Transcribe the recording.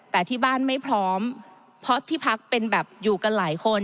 แต่ที่บ้านไม่พร้อมเพราะที่พักเป็นแบบอยู่กันหลายคน